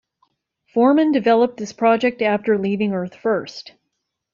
Foreman developed this project after leaving Earth First!